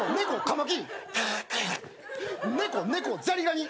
猫猫ザリガニ。